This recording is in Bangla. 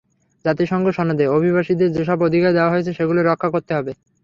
জাতিসংঘ সনদে অভিবাসীদের যেসব অধিকার দেওয়া হয়েছে, সেগুলো রক্ষা করতে হবে।